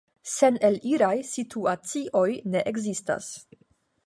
Seneliraj situacioj ne ekzistas.